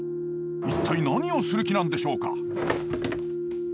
一体何をする気なんでしょうか？